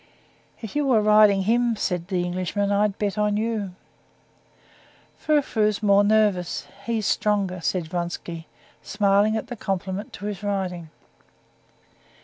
"If you were riding him," said the Englishman, "I'd bet on you." "Frou Frou's more nervous; he's stronger," said Vronsky, smiling at the compliment to his riding.